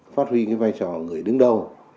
phát huy vai trò người đứng đầu